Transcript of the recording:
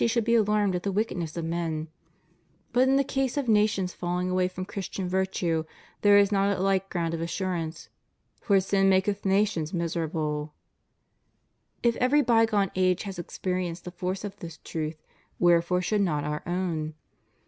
should be alarmed at the wickedness of men; but in the case of nations falling away from Christian virtue there is not a hke ground of assurance, for sin maketh nations miserable} If every bygone age has experienced the force of this truth, wherefore should not our own?